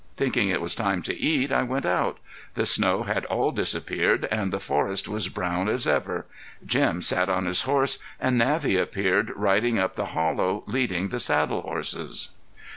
Thinking it was time to eat I went out. The snow had all disappeared and the forest was brown as ever. Jim sat on his horse and Navvy appeared riding up to the hollow, leading the saddle horses.